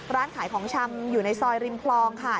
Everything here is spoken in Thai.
ร้านขายของชำอยู่ในซอยริมคลองค่ะ